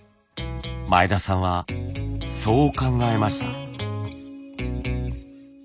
前田さんはそう考えました。